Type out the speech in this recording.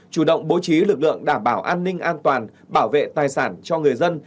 chủ động bố trí lực lượng đảm bảo an ninh an toàn bảo vệ tài sản cho người dân